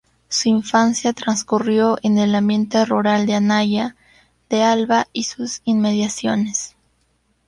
Su infancia transcurrió en el ambiente rural de Anaya de Alba y sus inmediaciones.